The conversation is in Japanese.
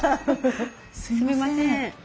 すいません。